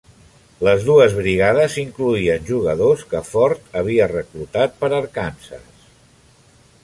Les dues brigades incloïen jugadors que Ford havia reclutat per Arkansas.